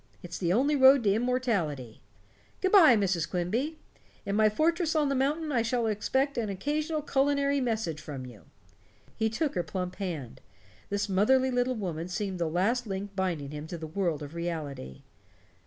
It's the only road to immortality. Good by, Mrs. Quimby. In my fortress on the mountain I shall expect an occasional culinary message from you." He took her plump hand; this motherly little woman seemed the last link binding him to the world of reality.